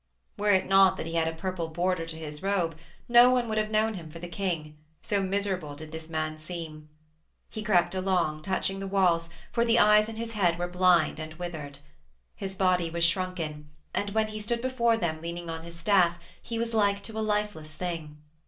Were it not that he had a purple border to his robe no one would have known him for the king, so miserable did this man seem. He crept along, touching the walls, for the eyes in his head were blind and withered. His body was shrunken, and when he stood before them leaning on his staff he was like to a lifeless thing.